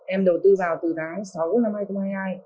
em đầu tư vào từ tháng sáu năm hai nghìn hai mươi hai